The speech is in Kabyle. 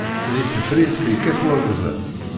Deg tefrirt yekkat wanza.